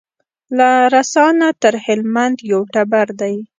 له رسا نه تر هلمند یو ټبر دی